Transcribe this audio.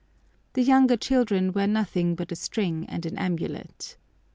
The younger children wear nothing but a string and an amulet.